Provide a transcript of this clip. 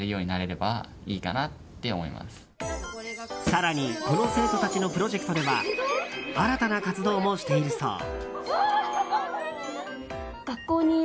更にこの生徒たちのプロジェクトでは新たな活動もしているそう。